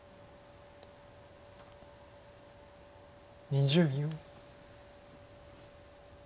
２０秒。